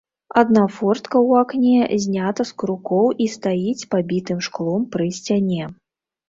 Адна фортка ў акне знята з крукоў і стаіць з пабітым шклом пры сцяне.